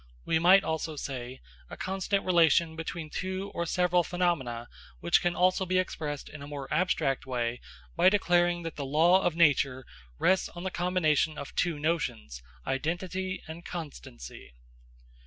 We might also say: a constant relation between two or several phenomena, which can also be expressed in a more abstract way by declaring that the law of nature rests on the combination of two notions, identity and constancy.